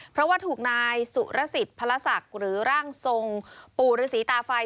เพราะว่าถูกนายสุรสิทธิ์พระศักดิ์หรือร่างทรงปู่ฤษีตาไฟ